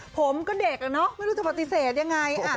ผมก็เด็กอะเนาะไม่รู้จะปฏิเสธยังไง